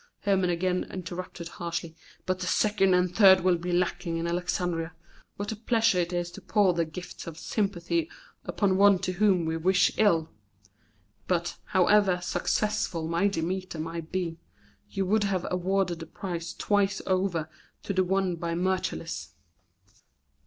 Hermon again interrupted harshly. "But the second and third will be lacking in Alexandria. What a pleasure it is to pour the gifts of sympathy upon one to whom we wish ill! But, however successful my Demeter may be, you would have awarded the prize twice over to the one by Myrtilus."